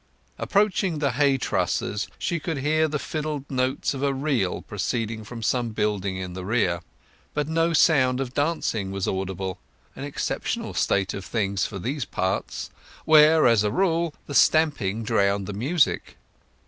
Approaching the hay trussers, she could hear the fiddled notes of a reel proceeding from some building in the rear; but no sound of dancing was audible—an exceptional state of things for these parts, where as a rule the stamping drowned the music.